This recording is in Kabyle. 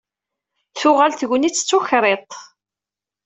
Tuɣal d tegnit d tukriḍt.